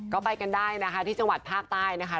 ก็ไปกันได้นะคะที่จังหวัดภาคใต้นะคะ